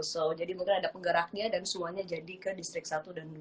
so jadi mungkin ada penggeraknya dan semuanya jadi ke distrik satu dan dua